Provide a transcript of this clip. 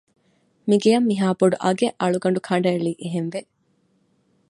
މިގެއަށް މިހާބޮޑު އަގެއް އަޅުގަނޑު ކަނޑައެޅީ އެހެންވެ